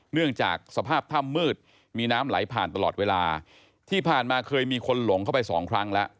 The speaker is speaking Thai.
เนื่องจากสภาพถ้ำมืดมีน้ำไหลผ่านตลอดเวลาที่ผ่านมาเคยมีคนหลงเข้าไปสองครั้งแล้ว